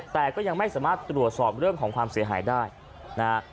แต่ก็ยังไม่สามารถตรวจสอบเรื่องของความเสียหายได้นะฮะ